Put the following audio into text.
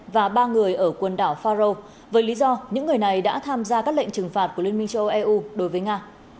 và ba người ở quần đảo faro với lý do những người này đã tham gia các lệnh trừng phạt của liên minh châu âu eu đối với nga